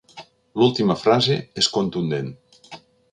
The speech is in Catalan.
L'última frase és contundent.